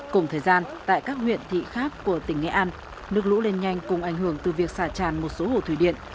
cùng thời gian tại các huyện thị khác của tỉnh nghệ an nước lũ lên nhanh cùng ảnh hưởng từ việc xả tràn một số hồ thủy điện